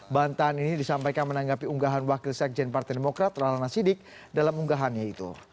bantahan ini disampaikan menanggapi unggahan wakil sekjen partai demokrat rahlana sidik dalam unggahannya itu